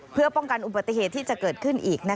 เพื่อป้องกันอุบัติเหตุที่จะเกิดขึ้นอีก